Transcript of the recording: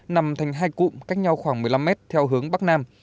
nằm thành hai cụm cách nhau khoảng một mươi năm mét theo hướng bắc nam